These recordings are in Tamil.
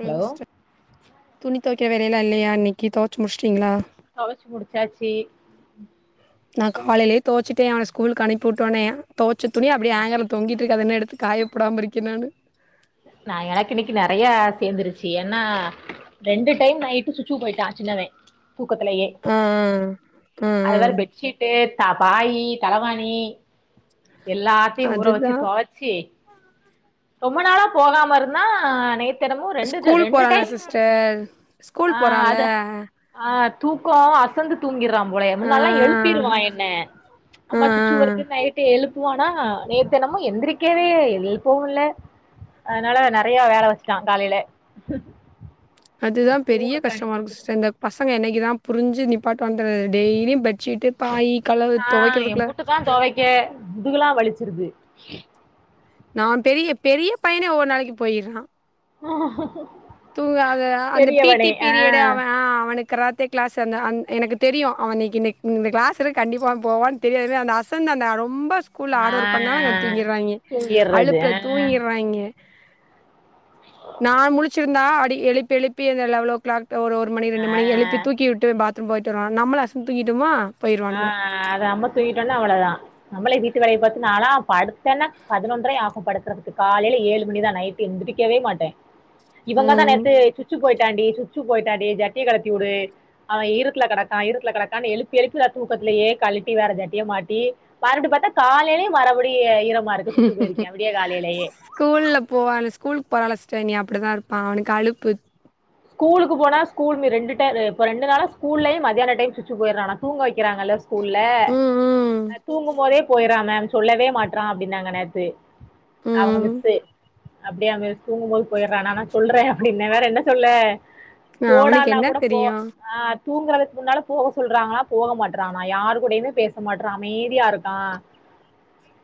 [unintelligible] ஹலோ துணி தொவக்கர வேலையெல்லா இல்லயா இன்னைக்கு தொவச்சு முடிச்சுட்டிங்களா தொவச்சு முடிச்சாச்சு நா காலைலயே தோவச்சுட்டே அவன ஸ்கூலுக்கு அனுப்பி விட்டோனே தோவச்ச துணி அப்படியே ஆங்கர்ல தொங்கிட்டு இருக்கு அது இனோ எடுத்து காயப்போடாம இருக்கே நானு நா எனக்கு இன்னைக்கு நெறைய சேர்ந்துருச்சு என்னா ரெண்டு டைம் நைட்டு சுச்சு போயிட்டா சின்னவே தூக்கத்துலயே ஆ ஆ ஆ அது வேற ஆ பெட்ஷீட்டு த பாயி தலவாணி எல்லாத்தையு ஊற வெச்சு அதுதா தொவச்சி ரொம்ப நாளா போகாம இருந்தா நேத் து என்னமோ ரெண்டு ட ஸ்கூல் ரெண்டு போறான்ல டைம் சிஸ்டர் ஸ்கூல் ஆ போறான்ல அத ஆ ஆ தூக்கோ அசந்து தூங்கிறா போலயே ஆ முன்னல்லா எழுப்பிருவா என்ன ஆ அம்மா சுச்சு வருது நைட்டு எழுப் புவான நேத்து என்னமோ எந்திரிக்கவே எழுப்பவு இல்ல அதனால நெறைய வேல வெச்சுட்ட காலைல அதுதா பெரிய கஷ்டமா இருக்கு சிஸ்டர் இந்த பசங்க என்னைக்கு தா புரிஞ்சு நிப்பாட்டு வான்ற டெய்லியு பெட்ஷீட்டு பாய் கலவு ஆ துவைக்கிறதுக்குள்ள எம்புட்டு தா தொவைக்க முதுகெல்லா வலிச்சிருது நா பெரிய பெரிய பையனே ஓவ்வொரு நாளைக்கி போய்டுறா தூங்காத [unintelligible] அந்த பி பெரியவனே டி ஆ பீரியடு அவ அ அவனுக்கு க்ராத்தே கிளாஸ் என அந் எனக்கு தெரியு அவனுக்கு இன்னிக்கி இந்த கிளாஸ் இருக் கண்டிப்பா அவ போவா தெரியாதுல்ல அந்த அசந்த அந்த ரொம்ப ஸ்கூல்ல ஆ ஹாட் ஒர்க் பண்ணானா இங்க வந்து தூங்கிடுறாங்க தூங்கிர்றது அழுப்புல ஆ தூங்கிடுறாங்க நா முழிச்சிருந்தா அடி எழுப்பி எழுப்பி அந்த லவளோ கிளாக் ஒரு ஒரு மணி ரெண்டு ஆ மணி எழுப்பி தூக்கி விட்டு பாத்ரூம் போய்ட்டு வருவ நம்பளோ அசந் தூக்கிட்டோமா ஆ ஆ அத அம்ப தூங்கிட்டோன அவ்வளோதா நம்மளே வீட்டு வேலைய பாத்து நால்லா படுத்தன்ன பதினொன்றரை ஆகு படுக்கறதுக்கு காலையில ஏழு மணிதா நை ட்டு எந்தரிக்கவே மாட்டே இவ்ங்க தா ம் நேத்து சுச்சு போயிட்டாண்டி சு ச்சு போயிட்டான்டி ஜட்டிய கழட்டியுடு அவ ஈரத்துல கெடக்கா ஈரத்துல கெடக்கான்னு எழுப்பி எழுப்பி [unintelligible] தூக்கத்திலயே கழட்டி வேற ஜட்டிய மாட்டி மறுடி பாத்தா காலைலயு மறுபடியு ஈர மறுக்கா சுச்சு போயிருக்கா விடிய காலைலயே ஸ்கூல்ல போவா ஸ்கூலுக்கு போறான்ல சிஸ்டர் இனி அப்டிதா இருப்பா அவுனுக்கு அலுப்பு ஸ்கூலுக்கு போனா ஸ்கூல் மி ரெண்டு டை இப்ப ரெண்டு நாளா ஸ்கூல்லயு மதியான டைம் சுச்சு போய்றானா தூங்க வெக்கிறாங்கல்ல ஸ்கூல்ல ம் ம் அ தூங்கு போதே போய்றா மேம் சொல்லவே மாட்றா அப்டின்னாங்க நேத்து அவுங்க ம் மிஸ்ஸு அப்டியா மிஸ் தூங்குமோது போய்றானா நா சொல்றே அப்டின்னே வேற என்ன சொல்லே அவனுக்கு போடான்னா என்ன கூட போ தெரியும் ஆ தூங்கறதுக்கு முன்னால போக சொல்றாங்களா போக மாட்றானா யார் கூடயுமே பேச மாட்றா அமைதியா இருக் கா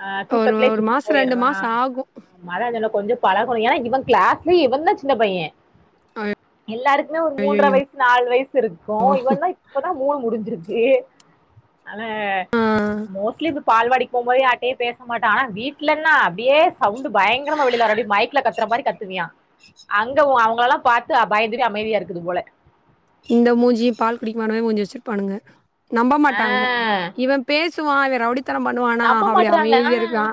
ஆ ஒரு தூக்கத்திலயே ஒரு சுச்சு மாசோ ரெண்டு போய்றா மாசோ ஆகு மழ [unintelligible] கொஞ்சோ பழகணு ஏன்னா இவன் கிளாஸ்லயே இவந்தா சின்னப்பையே எல்லாருக்குமே ஒரு மூன்ற அய்யய்யோ வய்சு நாலு வய்சு இருக்கு இவந்தா இப்பதா மூணு முடிஞ்சிருக்கு ஆனா ஆ மோஸ்ட்லி பால்வாடிக் போமோது யார்ட்டயு பேச மாட்டா ஆனா வீடலன்னா அப்டியே சவுண்டு பயங்கரமா வெளில வரு அப்டி மைக்ல கத்தற மாரி கத்துவியா அங்க ஒ அவுங்களல்லா பாத் து பயந்துட்டு அமைதியா இருக்குது போல இந்த மூஞ்சியு பால் குடிக்குமானே மூஞ்சி வச்சிருப்பானுங்க நம்ப ஆ மாட்டாங்க இவ பேசுவா இவ ரவுடித்தன பண்ணுவானா நம்ப அப்டி மாட்றாங்க ஆ அமைதியா இருப்பா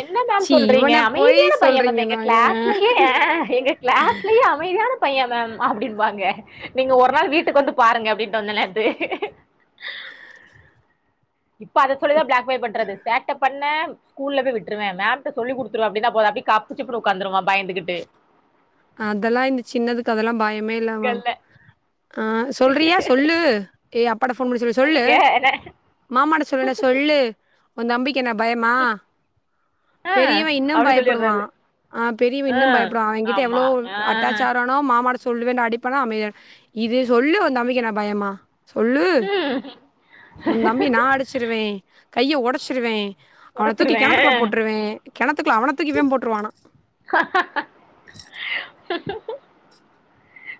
என்ன மேம் ச்சீ சொல்றீங்க இவன போய் அமைதியான பைய்ய மேம் சொல்றீங்க எங்க நாங்க கிளாஸ்லயே ம் எங்க கிளாஸ்லயே அ மைதியான பைய்ய மேம் அப்டிம்பாங்க நீங்க ஒரு நாள் வீட்டுக்கு வந்து பாருங்க அப்டின்னுட்டு வந்த நேத்து இப்ப அத சொல்லித பிளாக் மெயில் பண்றது சேட்ட பண்ண ஸ்கூல்ல போய் விட்ருவே மேம்ட சொல்லி குடுத்துருவ அப்டின்னா போது அப்டியே கப்பு சிப்புன்னு உட்காந்துருவா பயந்துகிட்டு அதெல்லா இந்த சின்னதுக்கு அதெல்லா பயமே இல்லமா கல்ல ஆ சொல்றியா சொல்லூ ஏ அப்பாட்ட ஃபோன் பண்ணி சொல்லு சொல்லு சொல்லிக்க என்ன மாமாட்ட சொல்ற சொல்லு ஒந்தம்பிக்கென்ன பயமா ஆ பெரியவ இன்னு அப்டி பயப்படுவா சொல்லிர்றது ஆ பெரியவ ஆ இன்னு பயப்படுவா அவங்கிட் ஆமா எவ்ளோ ஆ அட்டாச்சாகரா மாமாட்ட சொல்லுவேன் அடிப்பனா அமைதியாயிடு இது சொல்லு ஒந்தம்பிக்கென்ன பயமா சொல்லு ம் ஒந்தம்பிய நா அடிச்சிருவே கைய ஒடச்சிருவே அவனத் தூக்கி கெணத்துக்குள்ள ஒடச்சிருவேன் போட்ருவே கெணத்துக்குள்ள அவனத் தூக்கி இவ போட்டுருவானா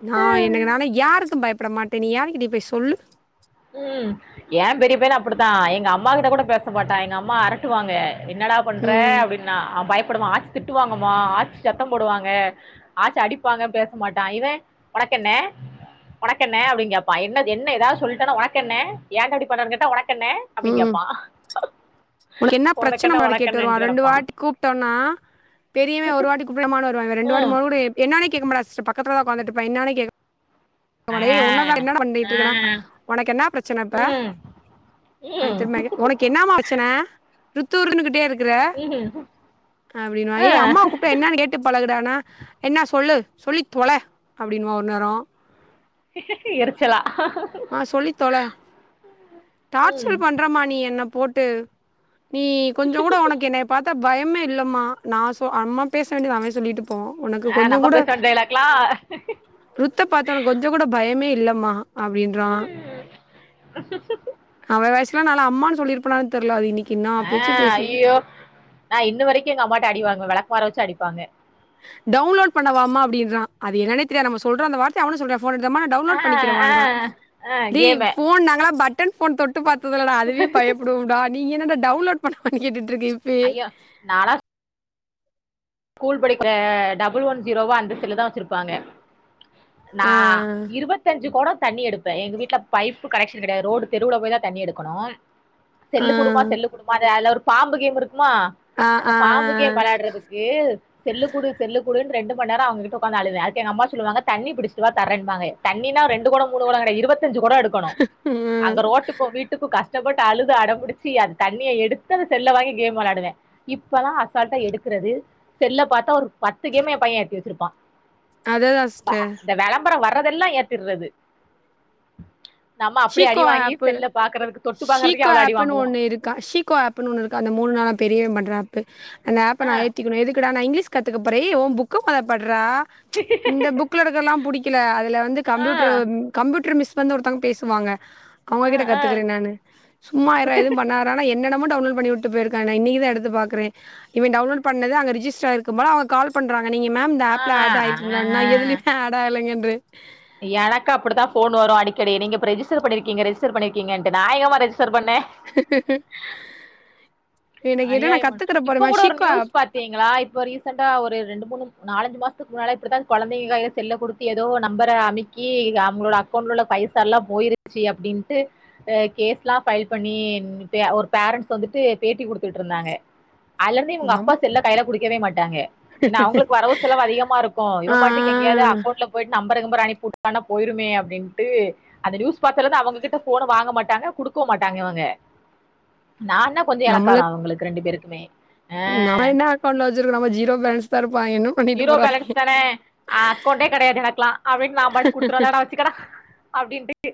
நா என் எனக்கு நா யாருக்கு பயப்பட மாட்டே நீ யாருக்கிட்ட போய் சொல்லு ம் ஏம் பெரிய பையனு அப்படித்தா எங்க அம்மா கிட்ட கூட பேசமாட்டா எங்கம்மா அரட்டுவாங்க என்னடா பன்றே ம் அப்டின்னா பயப்படுவா ஆச்சி திட்டுவாங்கம்மா ஆச்சி சத்தம் போடுவாங்க ஆச்சி அடிப்பாங்க பேசமாட்டா இவ உனக்கென்ன ஒனக்கென்ன அப்படிங்கேப்பா என்ன என்ன ஏதாது சொல்ட்டேனா ஒனக்கென்ன ஏன்டா இப்டி பண்றேங்கேட்டா ஒனக்கென்ன அப்டிங்கேப்பா ஒனக்கென்னா பிரச்சன மாரி கேட்டு வருவா ரெண்டு கெடப்பா வாட்டி கூப்ட்டோனா பெரியவ ஒரு வாட்டி கூப்ட்லொம்மானு வருவ இவ ரெண்டு வாட்டி ம் மூனு வாட்டி கூப்ட்டா என்னானே கேட்க மாட்டா ஸ் பக்கத்துலதா ஒக்காந்துட்ருப்பா என்னானே கேக்க ஆமா டேய் உன்னதா ஆ என்னடா பண்ணிட்ருக்கனா ஆ ஒனக்கென்னா பிரச்சன ப்ப ம் அவ ம் திரும்ப ஒனக்கென்னாமா பிரச்சன ருத்தூர்னுகிட்டே இருக் க்கிற ம் அப்டின்னுவா ஆ ஏ அம்மா கூப்ட்டா என்னான்னு கேட்டு கேட்டுப் பழகுடானா என்னா சொல்லு சொல்லித் தொல அப்டின்னுவா ஒரு நேரோ எரிச்சலா ஆ சொல்லித் தொல ம் டார்ச்சர் பண்றமா நீ என்னப் போட்டு நீ கொஞ்சங்கூட ஒனக்கு என்னய பாத்தா பயமே இல்லம்மா நா சொ நம்ம பேச வேண்டியது அவ சொல்லிட்டு போவா ஒனக்கு ஆ நம்ம கொஞ்சங்கூட பேசுன டைலாக்லா ருத்தப் பாத்தா ஒனக்கு கொஞ்சங்கூட பயமே இல்லம்மா அப்டின்றா அவ வயசலா நால அம்மான்னுல்லிருப்பனானனு தெரியலா அது இனி ஆ ஐயோ ந இன்ன வரைக்கு எங்க அம்மாட்ட அடிவாங்க வெளக்க மர வச்சு அடிப்பாங்க டவுன்லோட் பண்ணாவாமா அப்டின்ற அது என்னேனே தெரியது நம சொல்ற அந்த வார்த்த அவனு சொல்ற போன் எடுத்தாம நா ஆ டவுன்லோட் பண்ணிக்கிற மா ஆ ன்றா ஆ டேய் கேமு போன் நாங்களா பட்டன் போன் தொட் பாத்ததில்ல டா அதுவே பயப்படுவொம்டா நீ என்னட டவுன்லோட் பண்ண [unintelligible] அய்யோ நாலா ஸ்கூல் படிக்கிற டபுள் ஒன் ஜீரோவா அந்த செல்லுதா வச்சிருப்பாங்க நா ஆ. இருபத்தஞ்சு கொட தண்ணி எடுப்ப எங்க வீட்ல பைப்பு கனெக்க்ஷன் கெடையாது ரோடு தெருவுல போய் தா தண்ணி எடுக்கணூ ஆ. செல்லு குடுமா செல்லு குடுமா அத அதுல ஒரு பாம்பு கேம் இருக்குமா ஆ. அந்த ஆ. பாம்பு கேம் வெளையாடுறதுக் [unintelligible] செல்லு குடு செல்லு குடுன்னு ரெண்டு மண் நேரொ அவங்ககிட்ட உக்காந்து அழுத அதுக்கு எங்க அம்மா சொல்லுவாங்க தண்ணி புடுச்சுட்டு வா தரேன்பாங்க தண்ணினா ரெண்டு கொட மூணு கொட கெடையா இருபத்தஞ்சு கொட எடுக்கணு ம். அங்க ரோட்டுக்கு வீட்டுக்கு கஷ் கஷ்டப்பட்டு அலுது அடம்பிடிச்சு அது தண்ணிய எடுத்து அத செல்ல வாங்கி கேம் விளாடுவெ இப்பல்லா அசால்ட்டா எடுக்குறது செல்ல பாத்தா ஒரு பத்து கேம் எம்பைய ஏத்தி வெச்சிருப்பா அதேதா சிஸ்டர் இந்த வெளம்பரம் வர்றதெல்லா ஏத்திர்றது நம்ம அப்டி அடி ஷீக்கோ வாங்கி ஆப்பு செல்ல பாக்குறதுக்கு தொட்டு பாக்குறதுக்கே ஷீக்கோ அவ்ளோ அடி ஆப்ன்னு வாங்குவோ ஒண்ணு இருக்கா ஷீக்கோ ஆப் ப்புனு ஒன்னு இருக்கு அந்த மூணு நாளா பெரியவன் பண்ற ஆப்பு அந்த ஆப்ப நா ஆ ஏத்திக்கணு எதுக்குடானா நா இங்கிலீஷ் கத்துக்கப்போறே ஓ புக்க மொதல்ல பட்றா இந்த புக்ல இருக்கல்லா புடிக்கல அதுல வந்து ஆ கம்ப்யூட்டர் கம்ப்யூட்டர் மிஸ் பண்ண ஒருத்தங்க பேஸ் வாங்க ஆ அவுங்ககிட்ட ஆ கத்துக்கிறே நானு சும்மாயிர்றா எதுவு பண்ணாத ஆனா என்னனமோ டவுன்லோட் பண்ணிவுட்டு போயிருக்கா நா இன்னைக்கி தா எடுத்து பாக்குறே இவன் டவுன்லோடு பண்ணது அங்க ரிஜெஸ்டர் ஆகி இருக்கும் போல அவுங்க கால் பண்றாங்க நீங்க மேம் இந்த ஆ ஆப்ல ஆ ஆட் ஆயிருக்கீங்களான் நா எதுலயுமே ஆட் ஆகலைங்கன்றே எனக்கு அப்புடிதா போன் வரு அடிக்கடி நீங்க இப்ப ரெஜிஸ்டர் பண்ணியிருக்கீங்க ரெஜிஸ்டர் பண்ணிருக்கீங்கன்ட்டு நா எங்கம்மா ரெஜிஸ்டர் பண்ணே இப்ப எனக்கு என்னனா நா கத்துக்குற போறே வஷிக்கோ ஆப் தீங்களா இப்ப ரீசென்டா ஒரு ரெண்டு மூணு நாலஞ்சு மாசத்துக்கு முன்னால இப்புடிதா கொழந்தைங்க கையில செல்ல குடுத் த்து எதோ ஒரு நம்பர அமிக்கி அவுங்களோட அக்கௌண்ட் உள்ள பைசா எல்லா போயிருச்சு அப்டின்ட்டு அ கேஸ்லா ஃபைல் பண்ணி ஒ பே ஒரு பேரண்ட்ஸ் வந்துட்டு பேட்டி குடுத்துட்ருந்தாங்க அதுல இருந்து இவுங்க அப்பா நம் செல்ல கையில குடுக்கவே மாட்டாங்க ஏன்னா அவுங்களுக்கு வரவு செலவு அதிகமா இருக்கு இவன் பாட்டுக்கு எங்கையாது ஆ அக்கௌண்ட்ல போயிட்டு நம்பர கிம்பர அனுப்பி வுட்டுட்டானா போய்ருமே அப்டின்ட்டு அந்த நியூஸ் பாத்துல இருந்து அவங்ககிட்ட ஃபோன வாங்க மாட்டாங்க குடுக்கவு மாட்டாங்க இவங்க நா என்ன கொஞ்சோ எலக்காரோ அவுங்களுக்கு ரெண்டு பேருக்குமே நா ஆஹ் என்னா அக்கௌன்ட்ல வச்சுருக்குறோ நம்ம ஜீரோ போலன்ஸ்தா இருப்பா இன்னு ஜீரோ பேலன்ஸ் தானே அக்கௌன்ட்டே கெடையாது எனக்குலா அப்டின்னு நா பாட்டுக்கு குடுத்துறாதடா வச் சுக்கடா அப்டின்ட்டு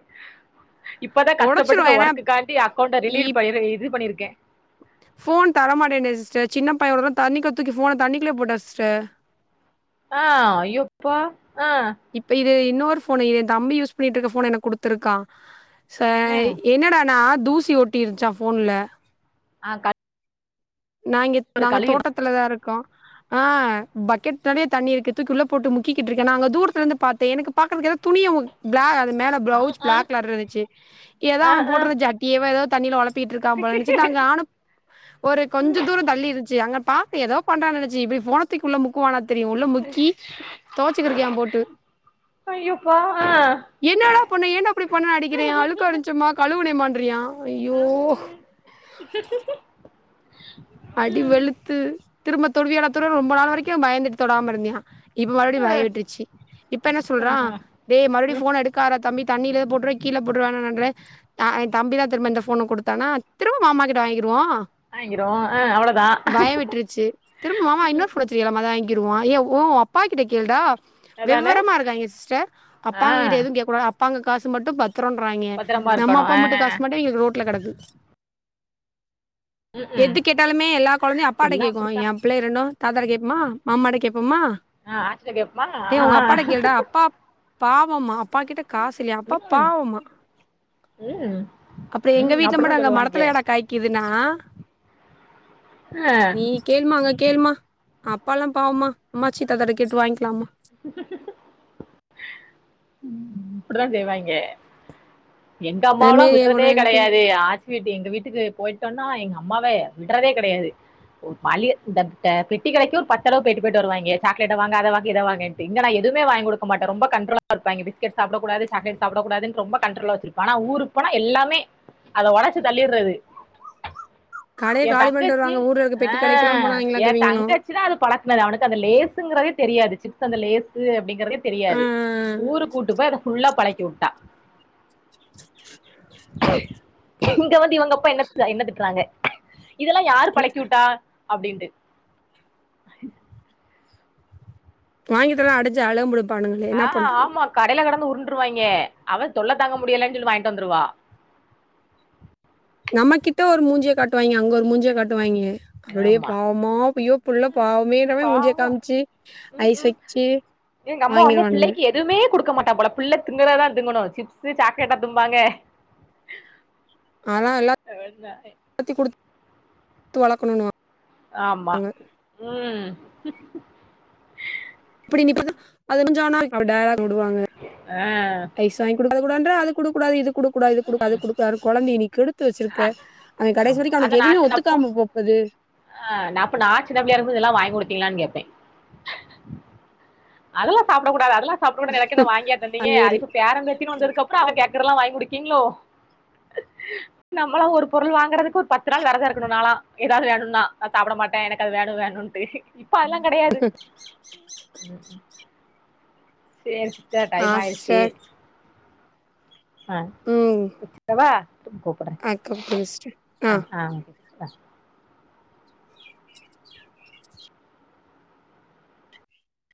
இப்பதா கஷ்டப்பட்டு ஒடச்சிருவா இந்த ஏன்னா ஒர்க்குக் காண்டி அக்கௌண்ட இ ரிலீர் பண்ணி இது பண்ணியிருக்கே ஃபோன் தர மாட்டேன்டே சிஸ்டர் சின்ன பையே ஒரு தறோ தண்ணிக்குள்ள தூக்கி ஃபோன தண்ணிக்குள்ளயே போட்டா சிஸ்டர் ஆ ஆ அய்யோ அப்பா ஆ ஆ இப்ப இது இன்னொரு ஃபோனை இது தம்பி யூஸ் பண்ணிட்ருக்க ஃபோன எனக்கு குடுத்துருக்கா சாய் ம் என்னடானா தூசி ஓட்டிருச்சா ஃபோன்ல ஆ கட் நா இங்கேத் நாங்க தோட்டத் துலதா இருக்கோ ஆ பக்கெட் நெறையா தண்ணி இருக்கு தூக்கி உள்ள போட்டு முக்கிட்டுருக்கே நா அங்க தூரத் இருந்து பாத்தே எனக்கு பாக்குறதுக்கு எதோ துணிய முக் ப்ளா அது மேல ஆ ப்ளவுஸ் ஆ ப்ளாக் கலர்ல இருந்துச்சு எதோ ஆ அவன் ஆ போட்ருந்த [unintelligible] வா எதாது தண்ணில ஒலப் ப்பிகிட்ருக்க போல நெனச்சுட்டு நாங்க ஆனப் ஒரு கொஞ்ச தூரோ தள்ளியிருந்துச்சு அங்க பாத்து எதோ பண்றாங்கன்னு நெனச்சு இப்டி ஃபோன த்திக்குள்ள முக்குவானா தெரியு உள்ள முக்கி தொவச்சுக்கிட்ருக்கா போட் ஐய்யோ அப்பா ஆ ஆ என்னடா பண்ணா ஏன்டா இப்டி பண்ணான்னு அடிக்கிறே அழுக்கா இருந்துச்சுமா கழுவுனே மா இன்றியா ஐயோ [inaudible] அடி வெளுத்து திரும்ப தொடுவியாடா தொடுவியாடா ரொம்ப நாள் வரைக்கு பயந்துட்டு தொடாம இருந்துயா இப்ப மறுபடியு பயோ விட்ருச்சு இப்ப என்ன சொல்றா ஆ டே மறுபடி ம் ஃபோன எடுக்கார்றா தம்பி தண்ணியில எதுவு போட்டுருவ கீழ போட்ருவேன்னன் நன்றே ஆ ஏ தம்பி தா திரும்ப இந்த ஃபோன குடுத்தானா திரும்ப மாமா கிட்ட வாங்கிருவோ வாங்கிருவோ ஆ அவ்ளோ பயோ விட்டுருச்சு திரும்ப மாமா இன்னொர் ஃபோன் வச்சிருக்கலாமே அத வாங்கிருவோ ஏ ஓ அப்பாக்கிட்ட கேள்டா அதான வெவ்வரமா இருக்காய்ங்க சிஸ்டர் ஆ அப்பாங்க கிட்ட எதுவு கேக்கூடாது அப்பாங்க காசு மட்டு பத் ரோராய்ங்கே பத்திரமா நம்ம இருக்கணு அப்பா ஆ மட்டு காசு மாட்டு இவக ரோட்ல கடக்கு ம் ம் எது கேட்டாலுமே எல்லா கொழந்தையு அப்பாட்ட எல்லா கேக்கு அப்படித்தா எ பிள்ளைய ரெண்டு தாத்தாட கேப்மா மாமாட்ட கேப்போம்மா ஆச்சிட்ட கேப் மா அப்பா பாவம்மா அப்பா கிட்ட காசு இல்லையா அப்பா ம் பாவமா ம் அப்ற எங்க ம் வீட்ல அப்படித்தா மட்டு ஏன்டா சொல்லுவாய்ங்க மரத்துலயாட காய்க்குதுன்னா ஆ நீ கேள்மா அங்க கேள்மா அப்பா லா பாவமா அம்மாச்சீ தத்தா கிட்ட கேட்டு வாங்கிக்கலாம்மா ம் அப்டிதா செய்வாங்கே எங்க அதே அம்மாவலா மாரி என் கூட விட்றதே வந்துட்டு கெடையாதை ஆ வீட்டு எங்க வீட்டுக்கு போயிட்டோனா எங்க அம்மாவே விடறதே கெடையாது ஒரு மளிய பெட்டி கடைக்கு ஒரு பத் தடவ பேய்ட்டு பேயிட்டு வருவாங்க சாக்லேட்ட வாங்க அத வாங்க இத வாங்க மேன்ட்டு‌ இங்க நா எதுமே வாங்கி குடுக்க மாட்ட ரொம்ப கண்ட்ரோல இருப்ப பீஸ்கேட் சாப்ட கூடாது சாக்லேட் சாப்ட கூடாதுன்டு ரொம்ப காண்ரோல வச்சிருப் பணா ஊருக் போனா எல்லாமே அத ஒடச்சு தள்ளீட்றது கடையை எ காலி பண்ணிட்டு தங்கச்சி வருவாங்க ஊர்ல இருக்க பெட்டி கடைக்கெல்லாம் ஆஹ் போனாங்களாம் எ இவங்களும் தங்கச் சிதா அத பழக்னது அவனுக்கு அந்த லேசுங்கிறதே தெரியாது சிப்ஸ் அந்தலேஸ் அப்டிங்கறதே தெரியாது ஆஹ் ஊரு கூட்டு போய் அதை ஃபுல்லா பழக்கி உட்டா இங்க வந்து இவங்க அப்பா என்ன என்ன திட்றாங்க இதெல்லா யார் பழக்கிஉட்டா அப்டின்ட்டு வாங்கிதர்லனா அடிச்சு அழம் [unintelligible] ஆஹ் ஆமா கடையில கடந்து உருண்டுருவாய்ங்க அவ தொல்ல தாங்க முடியலைன்னு சொல்லி வாங்கி தந்துருவா நம்ம கிட்ட ஒரு மூஞ்சிய காட்டுவாய்ங்க அங்க ஒரு மூஞ்சிய காட்டுவாய்ங்க அப்டே ஆமா பாவமா ஐயோ புள்ள ம் பாவமேன்றமே முஞ்சிய பாவோ காம்ச்சு ம் ஐஸ் ம் வச்சி எங்க அம்மா ஒட்னே புள்ளைக்கு எதுமே கொடுக்க மாட்டா போல புள்ள திங்குறதா திங்கணு சிப்ஸ் சாக்லேட்டா திம்பாங்க அதா எல் [inaudible] தியு குடுத் [inaudible] து வளக்கணு ஆமா ம் இப்டி நீ பண்ணா அது கொஞ்சோ அது டயலாக் உடுவாங்க ஆ ஐஸ் வாங்க் கொடுக்கடது அது கொடுக்கூடாது இது ம் கொடுக்கூடாது கொழந்தைய நீ‌ கெடுத் த்து வச்சிருக்க அவ கடைசி ஆமா வரைக்கு அத அவனுக்கு நா எதுமே சின்னப்போ ஒத்துக்காம போப்போது ஆ அப்ப நா சின்னப்பிளையா இருக்கும் போது இதல்லா வாங்கி குடுத்தீங்களான்னு கேப்பே அதெல்லா சாப்டக் கூடது அதல்லா சாப்ட கூடாது எனக்கென்ன வாங்கியா தந்தீங்க அது இப்ப பேர பேத்தினு வந்ததுக்கு அப் அ கேக்றல்லா வாங்கி குடுக்கீங்களோ நம்மளா ஒரு பொருள் வாங்குறதுக்கு ஒரு பத்து நாள் வெரதோ இருக்கணு நாலா எதாவது வேணுன்னா சாப்ட மாட்ட எனக்கு அது வேணு வேணுனு பேசிக் [inaudible] சேரி சிஸ்டர் ஆ டைம் ஆயிருச்சு சிஸ்டர். ஆ ம். வச்சிடவா கூப்பட்ர அ கூப்பிடுங்க சிஸ்டர். ஆ ஆ ஓகே சிஸ்டர் ஆ